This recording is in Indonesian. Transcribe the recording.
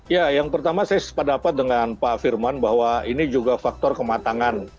ya yang pertama saya sepadapat dengan pak firman bahwa ini juga faktor kematangan